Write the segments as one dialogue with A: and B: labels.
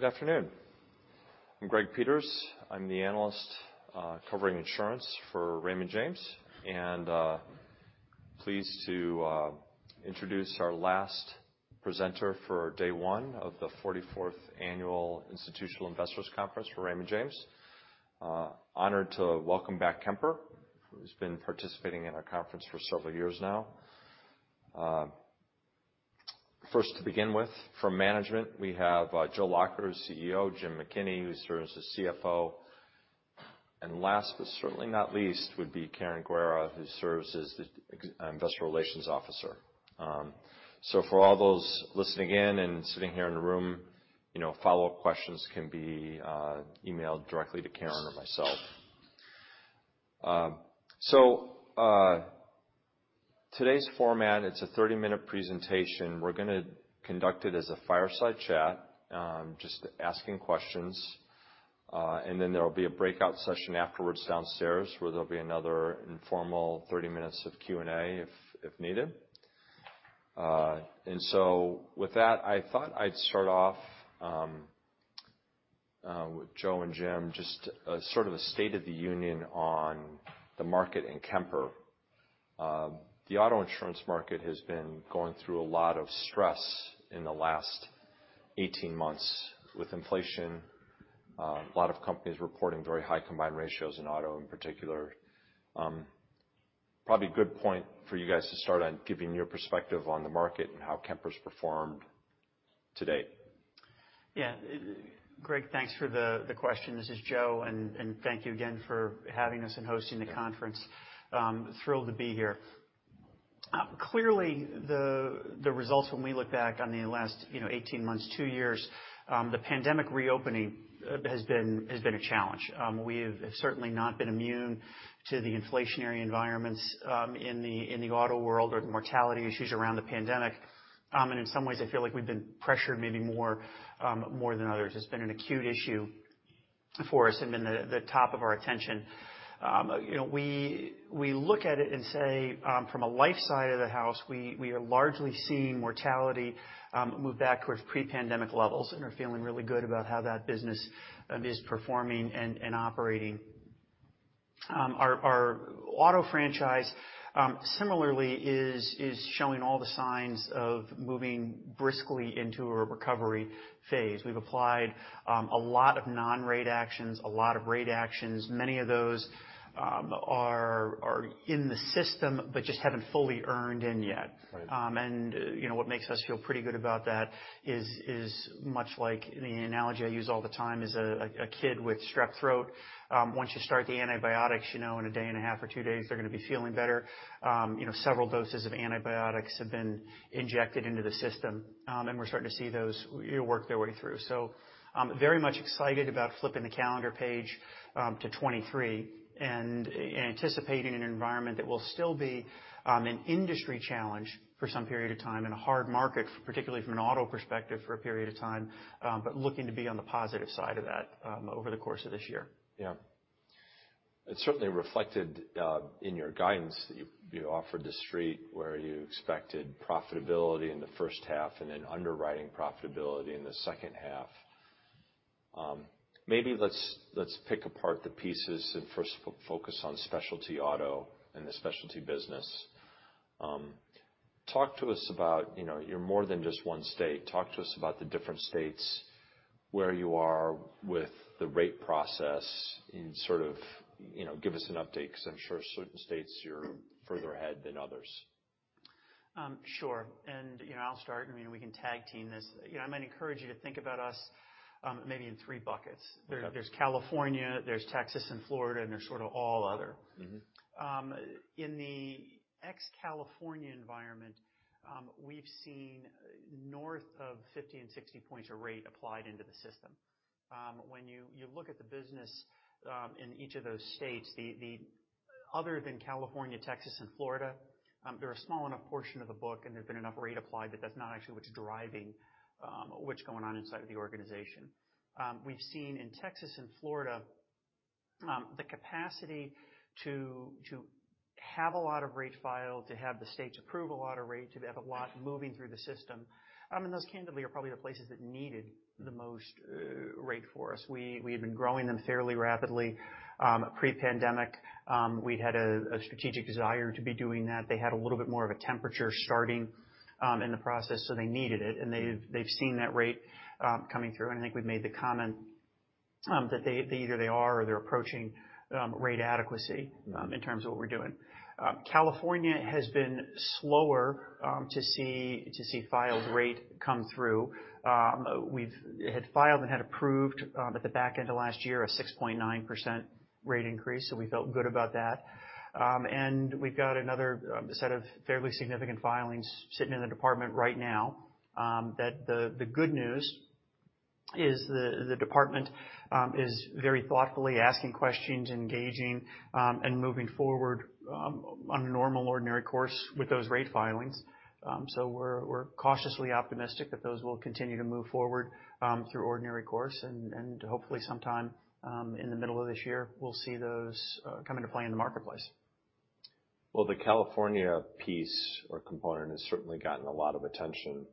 A: Good afternoon. I'm Greg Peters. I'm the analyst covering insurance for Raymond James. Pleased to introduce our last presenter for day one of the 44th Annual Institutional Investors Conference for Raymond James. Honored to welcome back Kemper, who's been participating in our conference for several years now. First to begin with, from management, we have Joe Lacher, who's CEO, James McKinney, who serves as CFO, and last but certainly not least, would be Karen Guerra, who serves as the investor relations officer. For all those listening in and sitting here in the room, you know, follow-up questions can be emailed directly to Karen or myself. Today's format, it's a 30-minute presentation. We're gonna conduct it as a fireside chat, just asking questions. There will be a breakout session afterwards downstairs, where there'll be another informal 30 minutes of Q&A, if needed. With that, I thought I'd start off with Joe and Jim, just a sort of a state of the union on the market in Kemper. The auto insurance market has been going through a lot of stress in the last 18 months. With inflation, a lot of companies reporting very high combined ratios in auto in particular. Probably a good point for you guys to start on giving your perspective on the market and how Kemper's performed to date.
B: Yeah. Greg, thanks for the question. This is Joe. Thank you again for having us and hosting the conference. Thrilled to be here. Clearly the results when we look back on the last, you know, 18 months, 2 years, the pandemic reopening, has been a challenge. We have certainly not been immune to the inflationary environments, in the auto world or the mortality issues around the pandemic. In some ways, I feel like we've been pressured maybe more, more than others. It's been an acute issue for us and been the top of our attention. You know, we look at it and say, from a life side of the house, we are largely seeing mortality move back towards pre-pandemic levels and are feeling really good about how that business is performing and operating. Our auto franchise, similarly is showing all the signs of moving briskly into a recovery phase. We've applied a lot of non-rate actions, a lot of rate actions. Many of those are in the system, but just haven't fully earned in yet.
A: Right.
B: You know, what makes us feel pretty good about that is much like the analogy I use all the time is a kid with strep throat. Once you start the antibiotics, you know, in a day and a half or 2 days, they're gonna be feeling better. You know, several doses of antibiotics have been injected into the system, and we're starting to see those, you know, work their way through. Very much excited about flipping the calendar page to 2023 and anticipating an environment that will still be an industry challenge for some period of time and a hard market, particularly from an auto perspective for a period of time, but looking to be on the positive side of that over the course of this year.
A: Yeah. It's certainly reflected in your guidance that you offered the street where you expected profitability in the first half and then underwriting profitability in the second half. Maybe let's pick apart the pieces and first focus on specialty auto and the specialty business. Talk to us about, you know, you're more than just one state. Talk to us about the different states, where you are with the rate process and sort of, you know, give us an update, because I'm sure certain states you're further ahead than others.
B: Sure. You know, I'll start, and we can tag team this. You know, I might encourage you to think about us, maybe in 3 buckets.
A: Okay.
B: There's California, there's Texas and Florida, and there's sort of all other.
A: Mm-hmm.
B: In the ex-California environment, we've seen north of 50 and 60 points a rate applied into the system. When you look at the business in each of those states, the other than California, Texas, and Florida, they're a small enough portion of the book, and there's been enough rate applied that that's not actually what's driving what's going on inside the organization. We've seen in Texas and Florida the capacity to have a lot of rate filed, to have the states approve a lot of rate, to have a lot moving through the system. Those candidly are probably the places that needed the most rate for us. We have been growing them fairly rapidly pre-pandemic. We'd had a strategic desire to be doing that. They had a little bit more of a temperature starting in the process, so they needed it. They've seen that rate coming through. I think we've made the comment that they either they are or they're approaching rate adequacy in terms of what we're doing. California has been slower to see filed rate come through. We've had filed and had approved at the back end of last year, a 6.9% rate increase, so we felt good about that. We've got another set of fairly significant filings sitting in the department right now. That the good news is the department is very thoughtfully asking questions, engaging and moving forward on a normal ordinary course with those rate filings. We're cautiously optimistic that those will continue to move forward through ordinary course, and hopefully sometime in the middle of this year, we'll see those come into play in the marketplace.
A: The California piece or component has certainly gotten a lot of attention,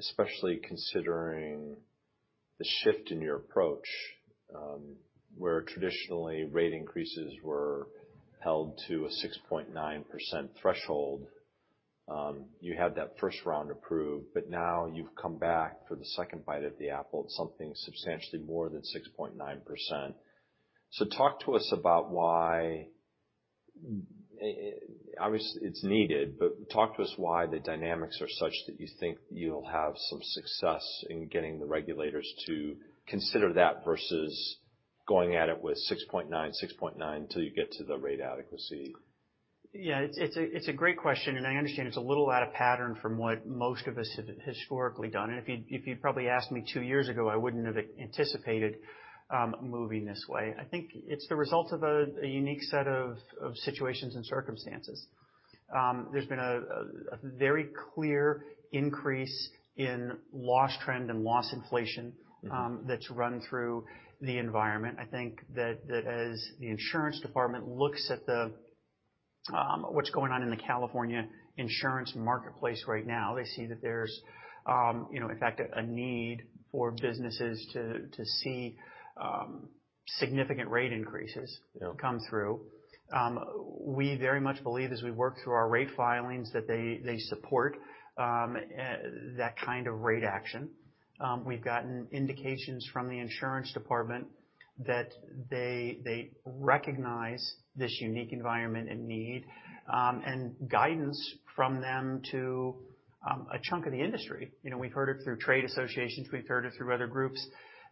A: especially considering the shift in your approach, where traditionally rate increases were held to a 6.9% threshold. You had that first round approved, but now you've come back for the second bite at the apple, something substantially more than 6.9%. Talk to us about why. Obviously, it's needed, but talk to us why the dynamics are such that you think you'll have some success in getting the regulators to consider that versus going at it with 6.9 till you get to the rate adequacy?
B: Yeah, it's a great question. I understand it's a little out of pattern from what most of us have historically done. If you probably asked me two years ago, I wouldn't have anticipated moving this way. I think it's the result of a unique set of situations and circumstances. There's been a very clear increase in loss trend and loss inflation-
A: Mm-hmm.
B: that's run through the environment. I think that as the insurance department looks at the, what's going on in the California insurance marketplace right now, they see that there's, you know, in fact, a need for businesses to see significant rate increases.
A: Yeah.
B: come through. We very much believe as we work through our rate filings that they support that kind of rate action. We've gotten indications from the insurance department that they recognize this unique environment and need and guidance from them to a chunk of the industry. You know, we've heard it through trade associations, we've heard it through other groups,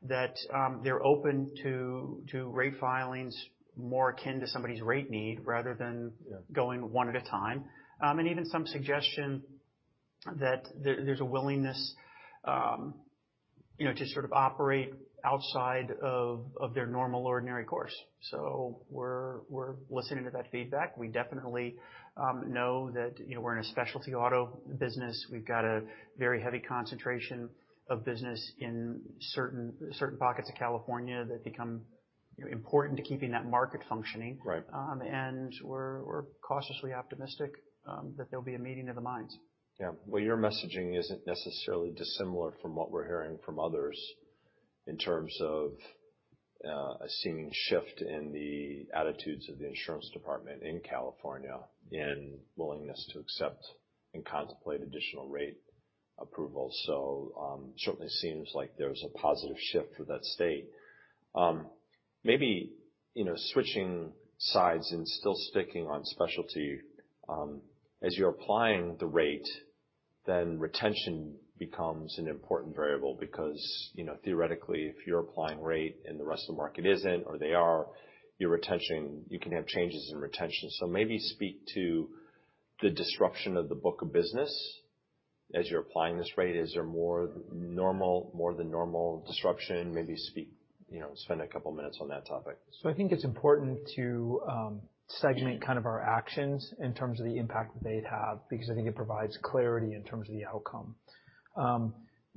B: that they're open to rate filings more akin to somebody's rate need rather than.
A: Yeah.
B: Going one at a time. Even some suggestion that there's a willingness, you know, to sort of operate outside of their normal ordinary course. We're listening to that feedback. We definitely know that, you know, we're in a specialty auto business. We've got a very heavy concentration of business in certain pockets of California that become, you know, important to keeping that market functioning.
A: Right.
B: We're cautiously optimistic that there'll be a meeting of the minds.
A: Well, your messaging isn't necessarily dissimilar from what we're hearing from others in terms of a seeming shift in the attitudes of the insurance department in California in willingness to accept and contemplate additional rate approval. Certainly seems like there's a positive shift for that state. Maybe, you know, switching sides and still sticking on specialty, as you're applying the rate, then retention becomes an important variable because, you know, theoretically, if you're applying rate and the rest of the market isn't or they are, your retention, you can have changes in retention. Maybe speak to the disruption of the book of business as you're applying this rate. Is there more normal, more than normal disruption? Maybe speak, you know, spend a couple minutes on that topic.
C: I think it's important to segment kind of our actions in terms of the impact that they'd have because I think it provides clarity in terms of the outcome.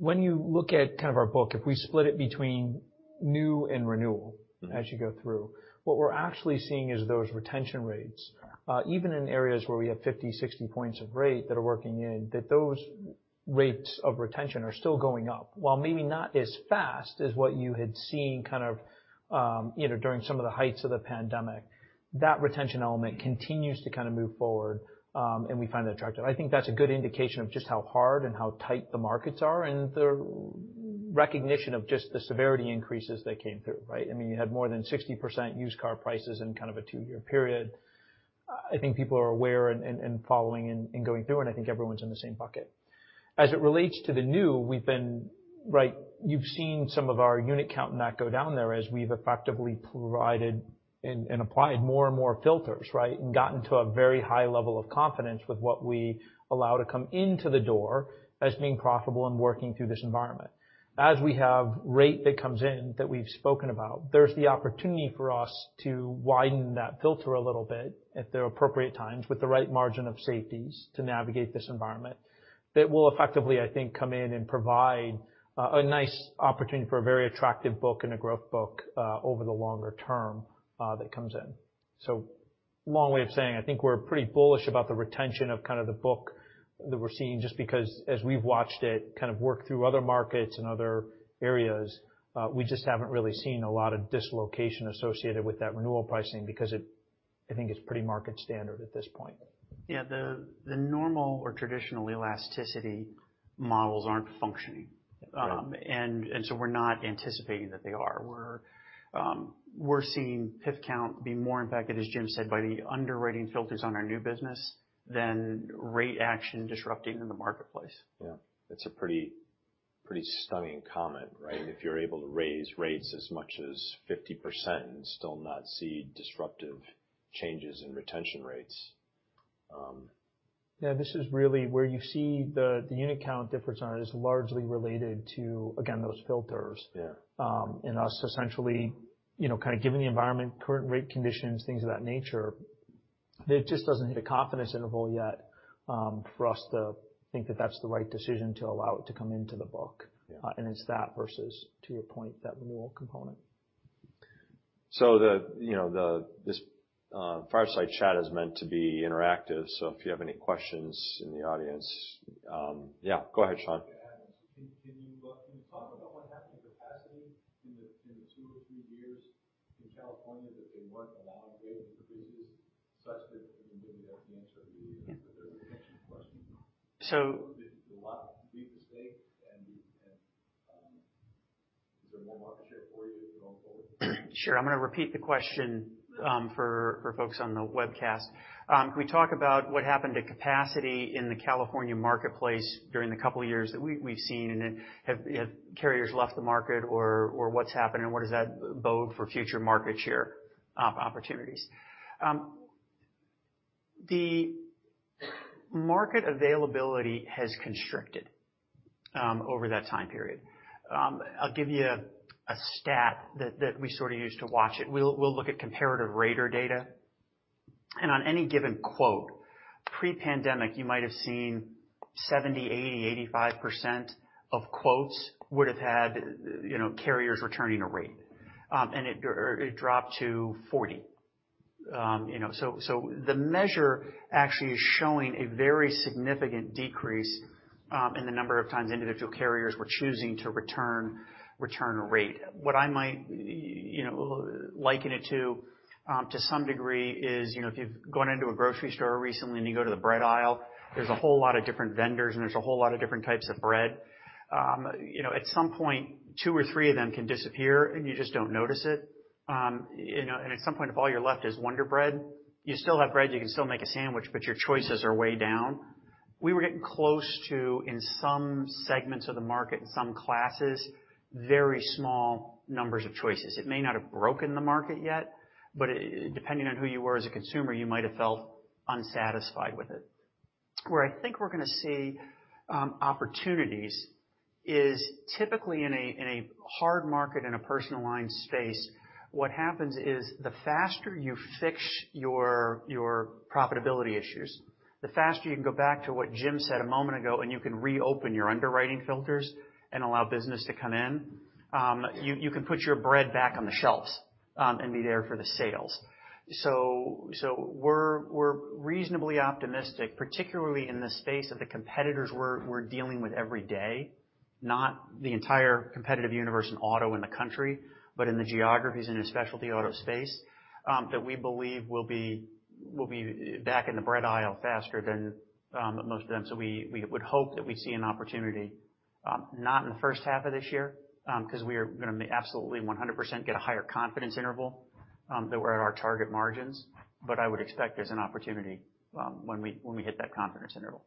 C: When you look at kind of our book, if we split it between new and renewal.
A: Mm-hmm.
C: As you go through, what we're actually seeing is those retention rates, even in areas where we have 50, 60 points of rate that are working in, that those rates of retention are still going up. While maybe not as fast as what you had seen kind of, you know, during some of the heights of the pandemic, that retention element continues to kind of move forward, and we find that attractive. I think that's a good indication of just how hard and how tight the markets are and the recognition of just the severity increases that came through, right? I mean, you had more than 60% used car prices in kind of a 2-year period. I think people are aware and following and going through, and I think everyone's in the same bucket. As it relates to the new, we've been Right, you've seen some of our unit count not go down there as we've effectively provided and applied more and more filters, right? Gotten to a very high level of confidence with what we allow to come into the door as being profitable and working through this environment. As we have rate that comes in that we've spoken about, there's the opportunity for us to widen that filter a little bit at the appropriate times with the right margin of safeties to navigate this environment. That will effectively, I think, come in and provide a nice opportunity for a very attractive book and a growth book over the longer term that comes in. Long way of saying, I think we're pretty bullish about the retention of kind of the book that we're seeing just because as we've watched it kind of work through other markets and other areas, we just haven't really seen a lot of dislocation associated with that renewal pricing because I think it's pretty market standard at this point.
B: Yeah. The normal or traditional elasticity models aren't functioning.
A: Yeah.
B: We're not anticipating that they are. We're seeing PIF count be more impacted, as Jim said, by the underwriting filters on our new business than rate action disrupting in the marketplace.
A: Yeah. That's a pretty stunning comment, right? If you're able to raise rates as much as 50% and still not see disruptive changes in retention rates.
C: Yeah, this is really where you see the unit count difference on it is largely related to, again, those filters.
A: Yeah.
C: Us essentially, you know, kind of given the environment, current rate conditions, things of that nature, it just doesn't hit a confidence interval yet, for us to think that that's the right decision to allow it to come into the book.
A: Yeah.
C: It's that versus, to your point, that renewal component.
A: The, you know, the, this, Fireside Chat is meant to be interactive. If you have any questions in the audience. Yeah, go ahead, Sean.
D: Can you talk about what happened to capacity in the two or three years in California that they weren't allowing for business such that maybe that's the answer to the original question?
B: So-
D: Did a lot leave the state, and, is there more market share for you going forward?
B: Sure. I'm gonna repeat the question, for folks on the webcast. Can we talk about what happened to capacity in the California marketplace during the couple of years that we've seen, and then have carriers left the market or what's happened, and what does that bode for future market share opportunities? The market availability has constricted over that time period. I'll give you a stat that we sort of use to watch it. We'll look at comparative rater data. On any given quote, pre-pandemic, you might have seen 70%, 80%, 85% of quotes would've had, you know, carriers returning a rate. It, or it dropped to 40. You know, the measure actually is showing a very significant decrease in the number of times individual carriers were choosing to return a rate. What I might, you know, liken it to to some degree is, you know, if you've gone into a grocery store recently and you go to the bread aisle, there's a whole lot of different vendors, and there's a whole lot of different types of bread. You know, at some point, two or three of them can disappear, and you just don't notice it. You know, at some point, if all you're left is Wonder Bread, you still have bread, you can still make a sandwich, but your choices are way down. We were getting close to, in some segments of the market, in some classes, very small numbers of choices. It may not have broken the market yet, but, depending on who you were as a consumer, you might have felt unsatisfied with it. Where I think we're gonna see opportunities is typically in a, in a hard market, in a personal line space, what happens is the faster you fix your profitability issues, the faster you can go back to what Jim said a moment ago, and you can reopen your underwriting filters and allow business to come in. You can put your bread back on the shelves, and be there for the sales. We're reasonably optimistic, particularly in the space of the competitors we're dealing with every day, not the entire competitive universe in auto in the country, but in the geographies, in the specialty auto space, that we believe will be back in the bread aisle faster than most of them. We would hope that we see an opportunity, not in the first half of this year, 'cause we are gonna absolutely 100% get a higher confidence interval, that we're at our target margins. I would expect there's an opportunity, when we hit that confidence interval.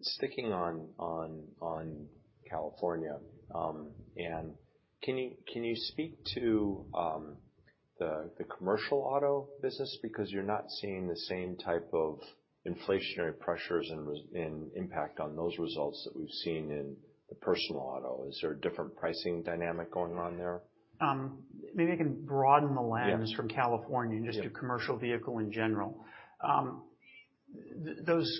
A: Sticking on California, and can you speak to the commercial auto business? Because you're not seeing the same type of inflationary pressures and impact on those results that we've seen in the personal auto. Is there a different pricing dynamic going on there?
B: Maybe I can broaden the lens.
A: Yeah.
B: -from California-
A: Yeah.
B: just to commercial vehicle in general. Those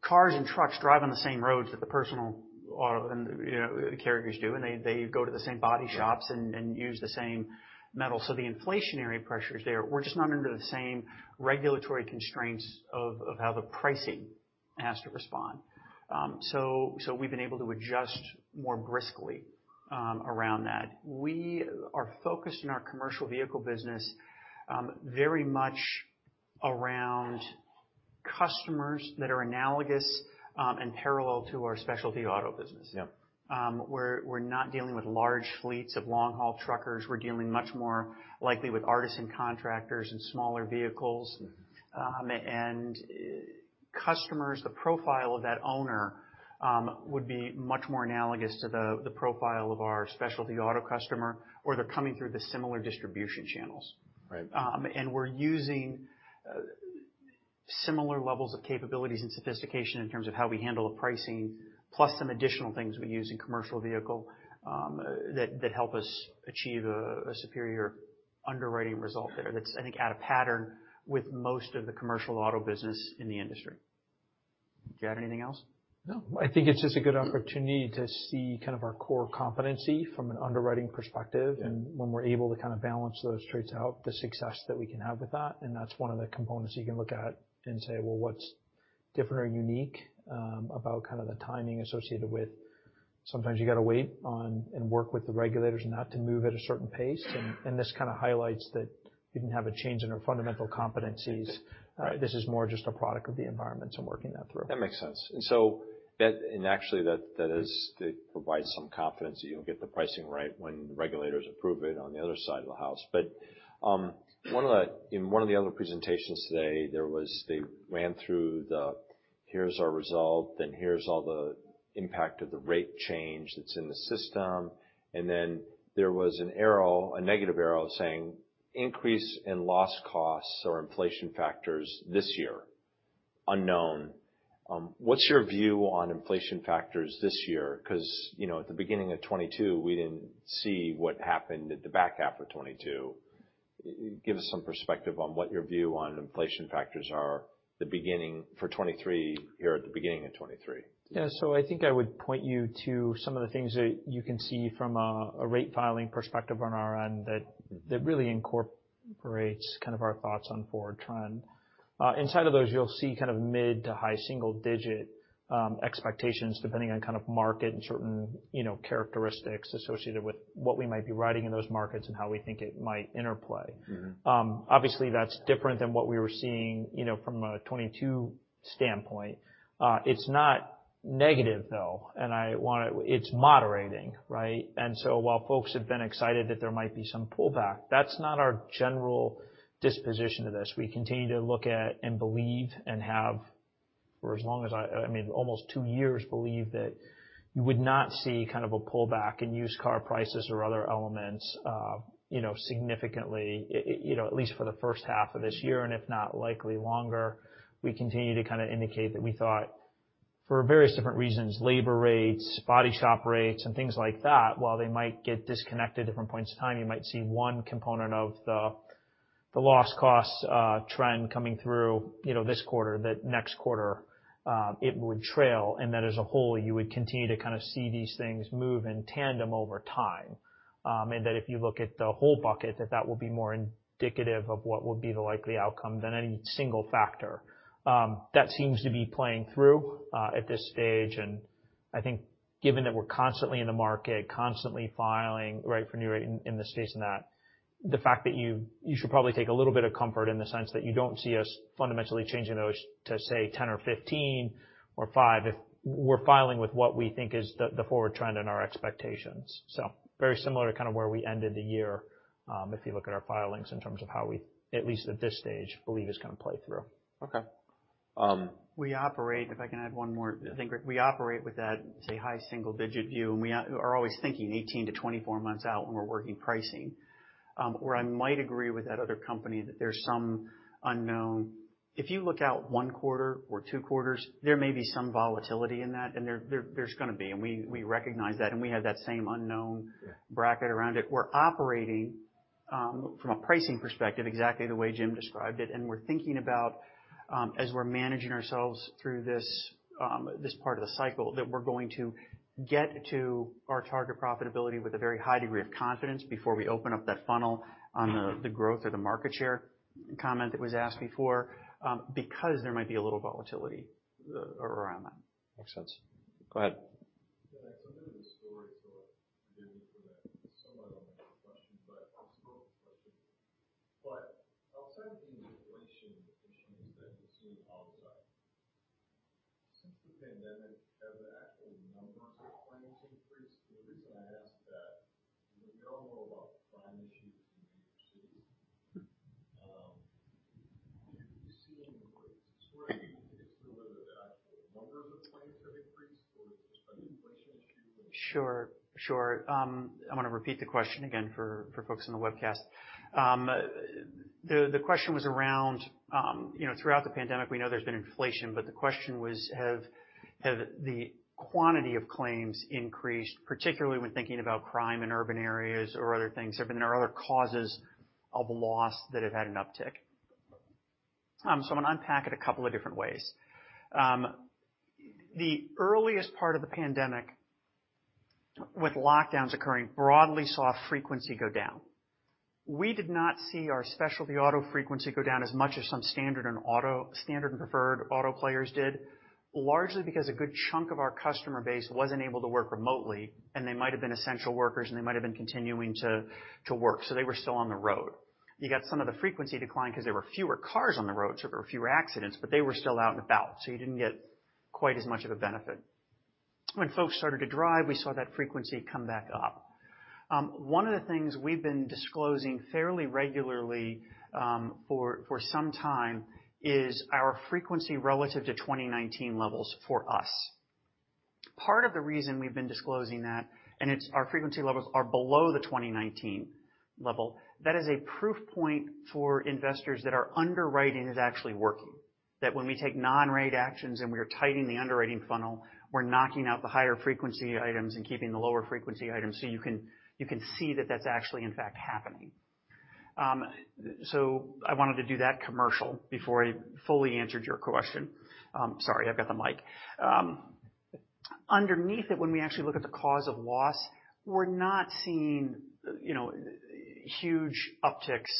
B: cars and trucks drive on the same roads that the personal and, you know, the carriers do, and they go to the same body shops.
A: Right.
B: and use the same metal. The inflationary pressures there, we're just not under the same regulatory constraints of how the pricing has to respond. We've been able to adjust more briskly around that. We are focused in our commercial vehicle business very much around customers that are analogous and parallel to our specialty auto business.
A: Yeah.
B: We're not dealing with large fleets of long-haul truckers. We're dealing much more likely with artisan contractors and smaller vehicles. Customers, the profile of that owner would be much more analogous to the profile of our specialty auto customer, or they're coming through the similar distribution channels.
A: Right.
B: We're using similar levels of capabilities and sophistication in terms of how we handle the pricing, plus some additional things we use in commercial vehicle that help us achieve a superior underwriting result there that's, I think, out of pattern with most of the commercial auto business in the industry. Do you have anything else?
C: No. I think it's just a good opportunity to see kind of our core competency from an underwriting perspective. When we're able to kind of balance those trades out, the success that we can have with that, and that's one of the components you can look at and say, "Well, what's different or unique about kind of the timing associated with sometimes you gotta wait on and work with the regulators not to move at a certain pace." This kind of highlights that we didn't have a change in our fundamental competencies. This is more just a product of the environment, working that through.
A: That makes sense. Actually that is it provides some confidence that you'll get the pricing right when the regulators approve it on the other side of the house. One of the, in one of the other presentations today, they ran through the here's our result, then here's all the impact of the rate change that's in the system. There was an arrow, a negative arrow saying increase in loss costs or inflation factors this year, unknown. What's your view on inflation factors this year? 'Cause, you know, at the beginning of 2022, we didn't see what happened at the back half of 2022. Give us some perspective on what your view on inflation factors are the beginning for 2023, here at the beginning of 2023.
B: Yeah. I think I would point you to some of the things that you can see from a rate filing perspective on our end that really incorporates kind of our thoughts on forward trend. Inside of those, you'll see kind of mid to high single digit expectations depending on kind of market and certain, you know, characteristics associated with what we might be writing in those markets and how we think it might interplay.
A: Mm-hmm.
B: Obviously, that's different than what we were seeing, you know, from a 22 standpoint. It's not negative though, it's moderating, right? While folks have been excited that there might be some pullback, that's not our general disposition to this. We continue to look at and believe and have for as long as I mean, almost 2 years believe that you would not see kind of a pullback in used car prices or other elements, you know, significantly, you know, at least for the first half of this year, and if not likely longer. We continue to kind of indicate that we thought for various different reasons, labor rates, body shop rates, and things like that, while they might get disconnected at different points in time, you might see one component of the loss cost trend coming through, you know, this quarter, that next quarter, it would trail. That as a whole, you would continue to kind of see these things move in tandem over time. That if you look at the whole bucket, that that will be more indicative of what will be the likely outcome than any single factor. That seems to be playing through at this stage. I think given that we're constantly in the market, constantly filing, right, for new rate in this case, and that the fact that you should probably take a little bit of comfort in the sense that you don't see us fundamentally changing those to say 10 or 15 or 5 if we're filing with what we think is the forward trend in our expectations. Very similar to kind of where we ended the year, if you look at our filings in terms of how we at least at this stage believe is going to play through.
A: Okay.
B: We operate. If I can add one more. I think we operate with that, say, high single-digit view, and we are always thinking 18 to 24 months out when we're working pricing. Where I might agree with that other company that there's some unknown. If you look out one quarter or two quarters, there may be some volatility in that, and there's gonna be, and we recognize that, and we have that same unknown.
A: Yeah.
B: bracket around it. We're operating from a pricing perspective exactly the way Jim described it, and we're thinking about as we're managing ourselves through this part of the cycle, that we're going to get to our target profitability with a very high degree of confidence before we open up that funnel on the growth or the market share comment that was asked before, because there might be a little volatility around that.
A: Makes sense. Go ahead.
D: A bit of a story, so forgive me for that. Somewhat on that question, a small question. Outside of the inflation issues that you're seeing outside, since the pandemic, have the actual numbers of claims increased? The reason I ask that, we all know about crime issues in major cities. Do you see any sort of increase or whether the actual numbers of claims have increased, or it's just an inflation issue?
B: Sure. Sure. I'm gonna repeat the question again for folks on the webcast. The question was around, you know, throughout the pandemic, we know there's been inflation, but the question was have the quantity of claims increased, particularly when thinking about crime in urban areas or other things? Have been there other causes of loss that have had an uptick? I'm gonna unpack it a couple of different ways. The earliest part of the pandemic with lockdowns occurring broadly saw frequency go down. We did not see our specialty auto frequency go down as much as some standard and preferred auto players did, largely because a good chunk of our customer base wasn't able to work remotely, and they might have been essential workers, and they might have been continuing to work, so they were still on the road. You got some of the frequency decline 'cause there were fewer cars on the road, so there were fewer accidents, but they were still out and about, so you didn't get quite as much of a benefit. When folks started to drive, we saw that frequency come back up. One of the things we've been disclosing fairly regularly for some time is our frequency relative to 2019 levels for us. Part of the reason we've been disclosing that, our frequency levels are below the 2019 level. That is a proof point for investors that our underwriting is actually working. When we take non-rate actions and we are tightening the underwriting funnel, we're knocking out the higher frequency items and keeping the lower frequency items. You can see that that's actually in fact happening. I wanted to do that commercial before I fully answered your question. Sorry, I've got the mic. Underneath it, when we actually look at the cause of loss, we're not seeing, you know, huge upticks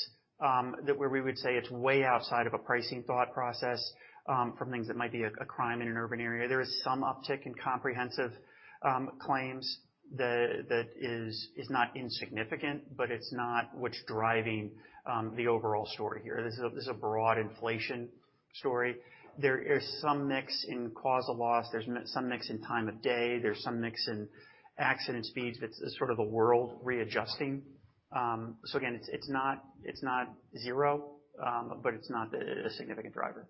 B: that where we would say it's way outside of a pricing thought process from things that might be a crime in an urban area. There is some uptick in comprehensive claims that is not insignificant, but it's not what's driving the overall story here. This is a broad inflation story. There is some mix in causal loss, there's some mix in time of day, there's some mix in accident speeds. It's sort of a world readjusting. Again, it's not zero, but it's not a significant driver.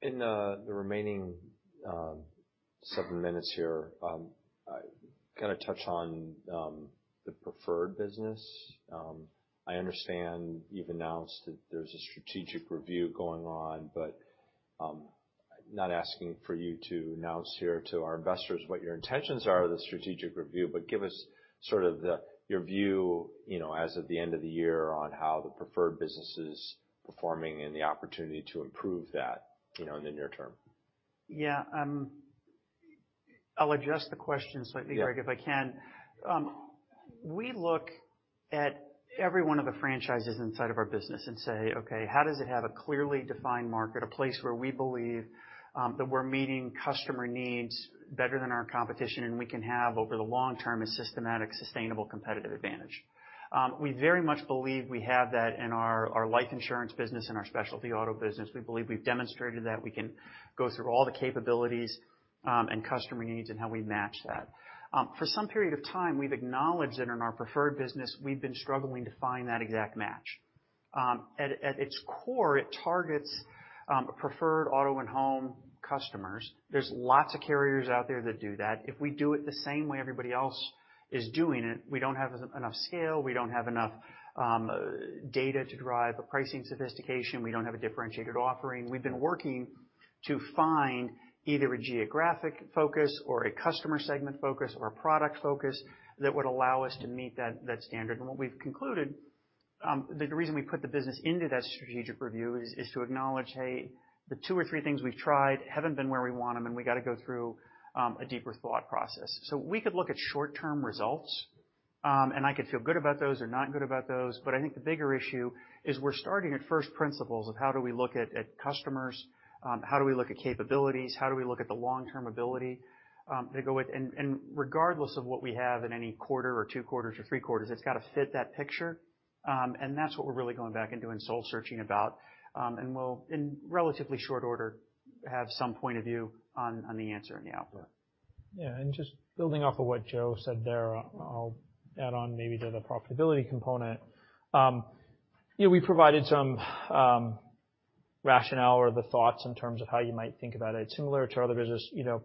A: In the remaining 7 minutes here, kind of touch on the preferred business. I understand you've announced that there's a strategic review going on, but I'm not asking for you to announce here to our investors what your intentions are of the strategic review, but give us sort of your view, you know, as of the end of the year on how the preferred business is performing and the opportunity to improve that, you know, in the near term.
B: Yeah. I'll adjust the question slightly, Greg, if I can. We look at every one of the franchises inside of our business and say, "Okay, how does it have a clearly defined market, a place where we believe that we're meeting customer needs better than our competition, and we can have over the long term, a systematic, sustainable competitive advantage?" We very much believe we have that in our life insurance business and our specialty auto business. We believe we've demonstrated that. We can go through all the capabilities and customer needs and how we match that. For some period of time, we've acknowledged that in our preferred business we've been struggling to find that exact match. At its core, it targets preferred auto and home customers. There's lots of carriers out there that do that. If we do it the same way everybody else is doing it, we don't have enough scale, we don't have enough data to drive a pricing sophistication, we don't have a differentiated offering. We've been working to find either a geographic focus or a customer segment focus or a product focus that would allow us to meet that standard. What we've concluded, the reason we put the business into that strategic review is to acknowledge, hey, the two or three things we've tried haven't been where we want them, and we gotta go through a deeper thought process. We could look at short-term results, and I could feel good about those or not good about those, but I think the bigger issue is we're starting at first principles of how do we look at customers, how do we look at capabilities, how do we look at the long-term ability to go with. Regardless of what we have in any quarter or two quarters or three quarters, it's gotta fit that picture. That's what we're really going back and doing soul searching about. We'll, in relatively short order, have some point of view on the answer and the output.
C: Yeah. Just building off of what Joe said there, I'll add on maybe to the profitability component. you know, we provided some rationale or the thoughts in terms of how you might think about it. Similar to our other business, you know,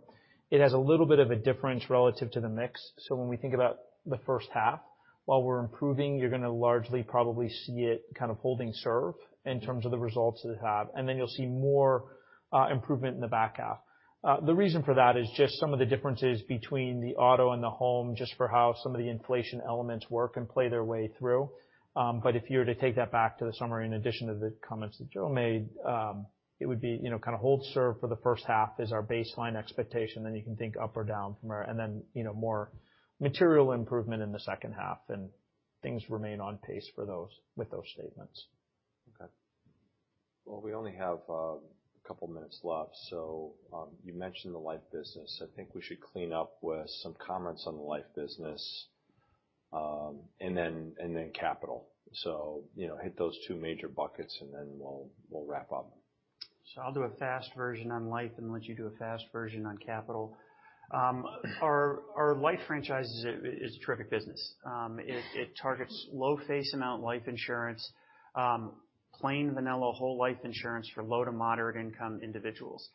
C: it has a little bit of a difference relative to the mix. When we think about the first half, while we're improving, you're gonna largely probably see it kind of holding serve in terms of the results that it have. You'll see more improvement in the back half. The reason for that is just some of the differences between the auto and the home, just for how some of the inflation elements work and play their way through. If you were to take that back to the summary, in addition to the comments that Joe made, it would be, you know, kind of hold serve for the first half is our baseline expectation. You can think up or down from there. Then, you know, more material improvement in the second half, and things remain on pace with those statements.
A: Well, we only have a couple minutes left. You mentioned the life business. I think we should clean up with some comments on the life business, and then capital. You know, hit those two major buckets, and then we'll wrap up.
B: I'll do a fast version on life and let you do a fast version on capital. Our life franchise is a terrific business. It targets low face amount life insurance, plain vanilla whole life insurance for low to moderate income individuals.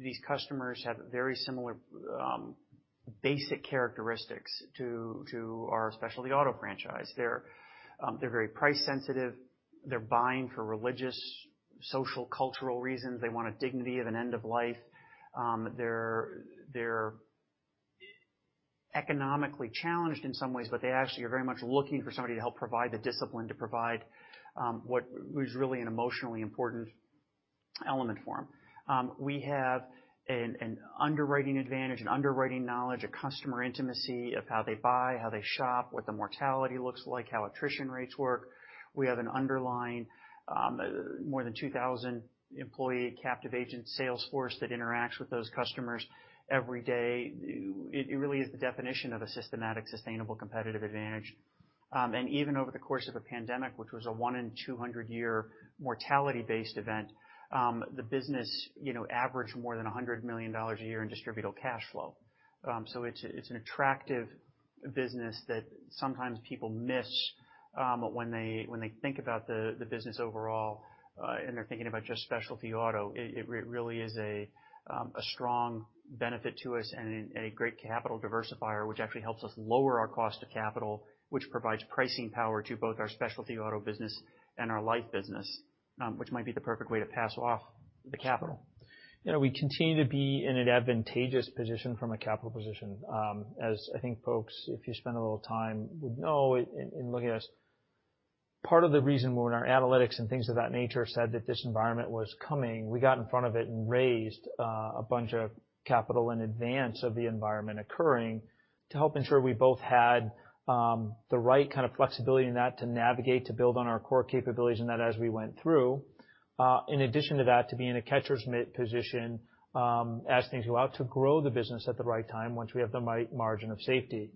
B: These customers have very similar basic characteristics to our specialty auto franchise. They're very price sensitive. They're buying for religious, social, cultural reasons. They want a dignity of an end of life. They're economically challenged in some ways, but they actually are very much looking for somebody to help provide the discipline to provide what was really an emotionally important element for them. We have an underwriting advantage, an underwriting knowledge, a customer intimacy of how they buy, how they shop, what the mortality looks like, how attrition rates work. We have an underlying, more than 2,000 employee captive agent sales force that interacts with those customers every day. It really is the definition of a systematic, sustainable competitive advantage. Even over the course of a pandemic, which was a 1 in 200 year mortality-based event, the business, you know, averaged more than $100 million a year in distributable cash flow. It's an attractive business that sometimes people miss, when they think about the business overall, and they're thinking about just specialty auto. It really is a strong benefit to us and a great capital diversifier, which actually helps us lower our cost of capital, which provides pricing power to both our specialty auto business and our life business, which might be the perfect way to pass off the capital.
C: You know, we continue to be in an advantageous position from a capital position. As I think folks, if you spend a little time, would know in looking at us, part of the reason we're in our analytics and things of that nature said that this environment was coming, we got in front of it and raised a bunch of capital in advance of the environment occurring to help ensure we both had the right kind of flexibility in that to navigate, to build on our core capabilities and that as we went through. In addition to that, to be in a catcher's mitt position, as things go out, to grow the business at the right time once we have the margin of safety.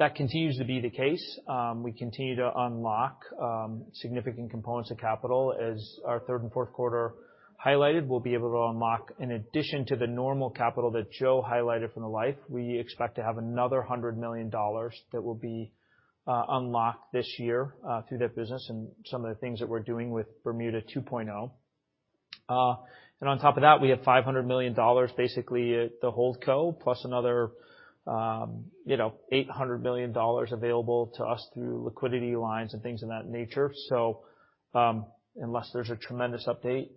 C: That continues to be the case. We continue to unlock significant components of capital. As our third and fourth quarter highlighted, we'll be able to unlock, in addition to the normal capital that Joe highlighted from the life, we expect to have another $100 million that will be unlocked this year through that business and some of the things that we're doing with Bermuda 2.0. On top of that, we have $500 million basically at the hold co, plus another, you know, $800 million available to us through liquidity lines and things of that nature. Unless there's a tremendous update,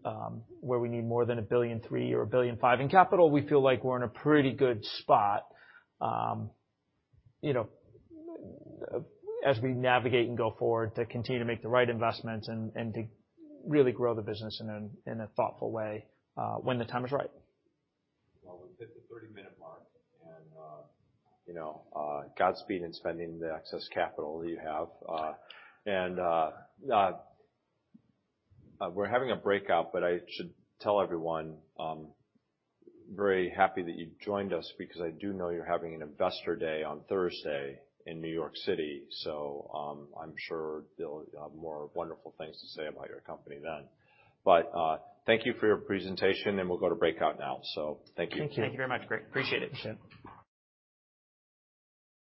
C: where we need more than $1.3 billion or $1.5 billion in capital, we feel like we're in a pretty good spot, you know, as we navigate and go forward to continue to make the right investments and to really grow the business in a, in a thoughtful way, when the time is right.
A: Well, we've hit the 30-minute mark, you know, Godspeed in spending the excess capital that you have. We're having a breakout. I should tell everyone, very happy that you joined us because I do know you're having an investor day on Thursday in New York City, I'm sure there'll more wonderful things to say about your company then. Thank you for your presentation, we'll go to breakout now. Thank you.
B: Thank you.
C: Thank you very much, Greg. Appreciate it.
B: Appreciate it.